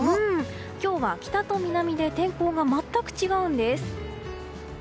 今日は北と南で天候が全く違うんです。